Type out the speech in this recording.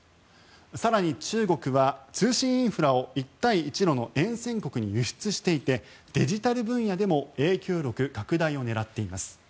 更に、中国は通信インフラを一帯一路の沿線国に輸出していてデジタル分野でも影響力拡大を狙っています。